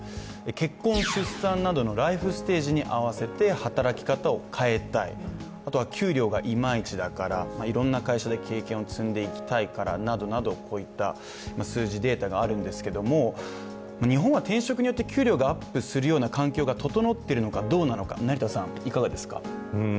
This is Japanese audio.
結婚・出産などのライフステージに合わせて働き方を変えたい、あとは給料がいまいち、いろんな会社で経験を積んでいきたいなど、こういった数字、データがあるんですけれども、日本は転職によって給料がアップするような環境が整っているのかどうなのか、成田さん、いかがですか？